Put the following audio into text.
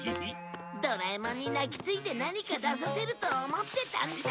ドラえもんに泣きついて何か出させると思ってたんだ！